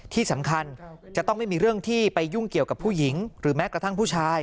ที่สำคัญจะต้องไม่มีเรื่องที่ไปยุ่งเกี่ยวกับผู้หญิงหรือแม้กระทั่งผู้ชาย